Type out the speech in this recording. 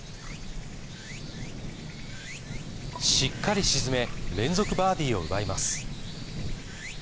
しっかり沈め、連続バーディーを奪います。